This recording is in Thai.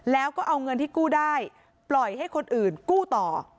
แล้วก็เอาเงินที่กู้ได้ปล่อยให้คนอื่นกู้ต่อ